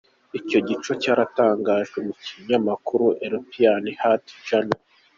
Ico cigwa caratangajwe mu kinyamakuru "European Heart Journal".